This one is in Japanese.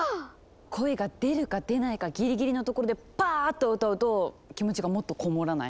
声が出るか出ないかギリギリのところでパーッ！と歌うと気持ちがもっとこもらない？